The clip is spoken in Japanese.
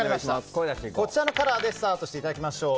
こちらのカラーでスタートしていただきましょう。